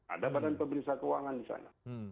ada badan pemeriksa keuangan di sana